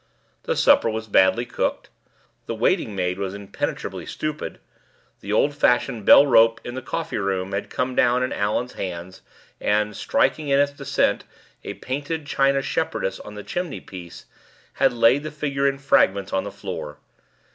The supper was badly cooked; the waiting maid was impenetrably stupid; the old fashioned bell rope in the coffee room had come down in Allan's hands, and, striking in its descent a painted china shepherdess on the chimney piece, had laid the figure in fragments on the floor.